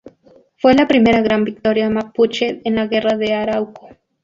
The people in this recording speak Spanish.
Fue la primera gran victoria Mapuche en la Guerra de Arauco.